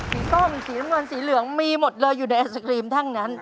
สีกล้องสีน้ำกวนสีเหลืองมีหมดเลยอยู่ในแอสกรีมทั้งนั้น